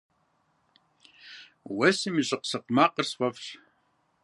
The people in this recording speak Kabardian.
Уэсым и щӏыкъ-сыкъ макъыр сфӏэфӏщ.